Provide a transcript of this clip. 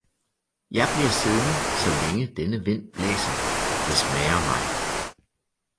Jeg bliver siddende, så længe denne vind blæser, det smager mig!